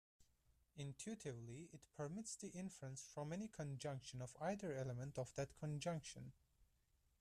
Intuitively, it permits the inference from any conjunction of either element of that conjunction.